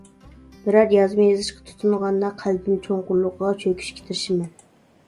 بىرەر يازما يېزىشقا تۇتۇنغاندا، قەلبىم چوڭقۇرلۇقىغا چۆكۈشكە تىرىشىمەن.